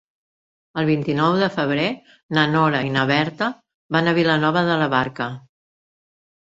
El vint-i-nou de febrer na Nora i na Berta van a Vilanova de la Barca.